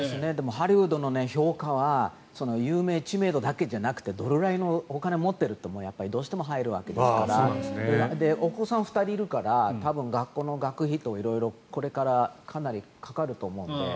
ハリウッドの評価は有名、知名度だけじゃなくてどれくらいのお金を持っているかもどうしても入るのでお子さん２人いるから多分、学校の学費とか色々これからかなりかかると思うので。